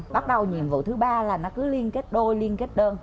bắt đầu nhiệm vụ thứ ba là nó cứ liên kết đôi liên kết đơn